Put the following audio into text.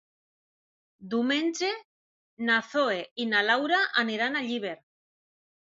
Diumenge na Zoè i na Laura aniran a Llíber.